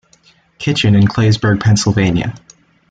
Kitchen in Claysburg, Pennsylvania.